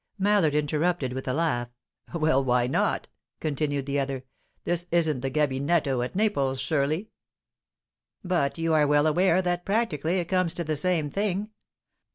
Mallard interrupted with a laugh. "Well, why not?" continued the other. "This isn't the gabinetto at Naples, surely?" "But you are well aware that, practically, it comes to the same thing.